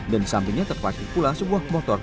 dan di sampingnya terparkir pula sebuah motor